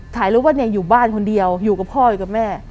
ถ่ายรูปว่าเนี่ยอยู่บ้านคนเดียวอยู่กับพ่ออยู่กับแม่